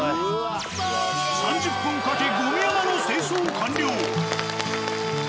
３０分かけゴミ山の清掃完了。